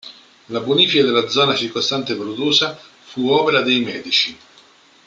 La bonifica della zona circostante paludosa fu opera dei Medici.